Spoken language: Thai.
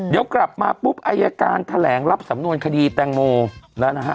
เดี๋ยวกลับมาปุ๊บอายการแถลงรับสำนวนคดีแตงโมแล้วนะฮะ